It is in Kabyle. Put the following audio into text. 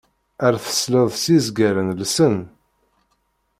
Ar tesleḍ s yizgaren llsen.